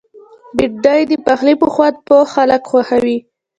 بېنډۍ د پخلي په خوند پوه خلک خوښوي